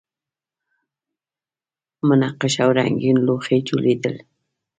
منقش او رنګین لوښي جوړیدل